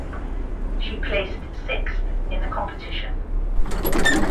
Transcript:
She placed sixth in the competition.